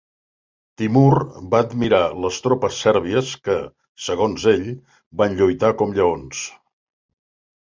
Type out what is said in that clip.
Timur va admirar les tropes sèrbies que, segons ell, "van lluitar com lleons".